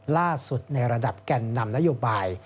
ล่าสุดในระดับแก่นนำนโยบาย